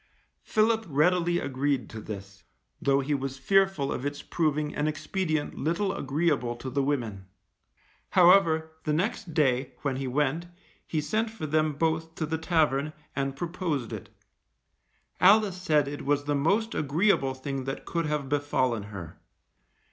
Philip readily agreed to this, though he was fearful of its proving an expedient little agreeable to the women. However, the next day, when he went, he sent for them both to the tavern, and proposed it. Alice said it was the most agreeable thing that could have befallen her.